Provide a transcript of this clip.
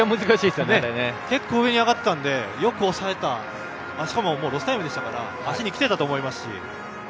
結構、上に上がっていたのでよく抑えましたししかもロスタイムでしたから足に来ていたと思いますし。